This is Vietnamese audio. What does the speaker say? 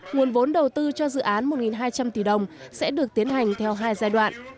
nguồn vốn đầu tư cho dự án một hai trăm linh tỷ đồng sẽ được tiến hành theo hai giai đoạn